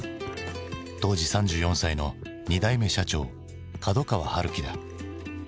当時３４歳の２代目社長角川春樹だ。